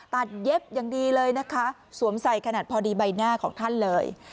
เย็บอย่างดีเลยนะคะสวมใส่ขนาดพอดีใบหน้าของท่านเลย